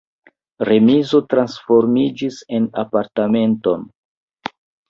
Remizo transformiĝis en apartamenton.